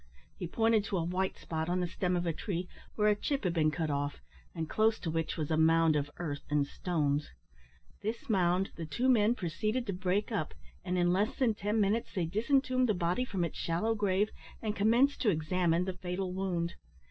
He pointed to a white spot on the stem of a tree, where a chip had been cut off, and close to which was a mound of earth and stones. This mound the two men proceeded to break up, and in less than ten minutes they disentombed the body from its shallow grave, and commenced to examine the fatal wound.